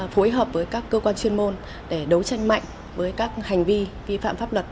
phối hợp với các cơ quan chuyên môn để đấu tranh mạnh với các hành vi vi phạm pháp luật